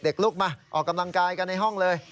ลุกมาออกกำลังกายกันในห้องเลย